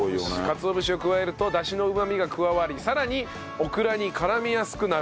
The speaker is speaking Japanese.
かつお節を加えるとダシのうまみが加わり更にオクラに絡みやすくなると。